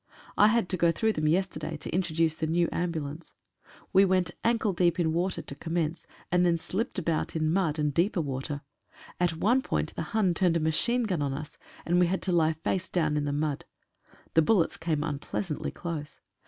I had to go through them yesterday to introduce the new ambulance. We went ankle deep in water to commence, and then slipped 148 WINTER AT THE FRONT. about in mud and deeper water. At one point the Hun turned a machine gun on us, and we had to lie face down in the mud. The bullets came unpleasantly close.